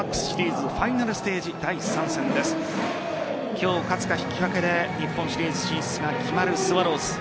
今日勝つか引き分けで日本シリーズ進出が決まるスワローズ。